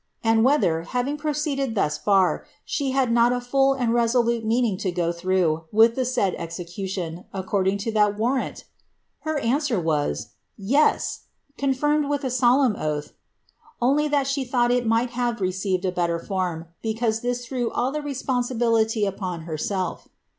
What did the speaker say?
and whether, having proceeded thus ihe had not a full and resolute meaning to go through with the said Blion, according to the warrant ?' Her answer was, ^ Yes,' confirmed a solemn oath, ^ only that she thought that it might have received tier form, because this threw all the responsibility upon her herself.'